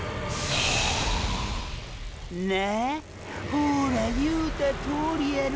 ほら言うたとおりやろ？